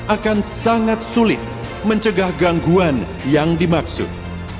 akan sangat sulit mencegah gangguan yang dimaksud